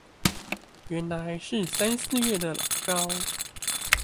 原來是三四月的老招